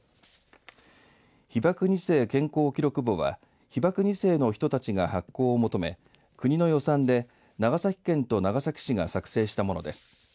被爆２世健康記録簿は被爆２世の人たちが発行を求め国の予算で長崎県と長崎市が作成したものです。